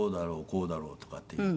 こうだろうとかっていう。